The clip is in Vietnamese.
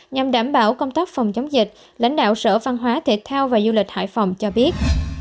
nhằm đảm bảo công tác phòng chống dịch lãnh đạo sở văn hóa thể thao và du lịch hải phòng cho biết